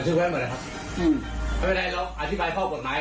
เอาไว้แล้วอธิบายข้อบทนาย